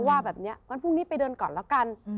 วันพรุ่งนี้ไปเดินก่อนละกัน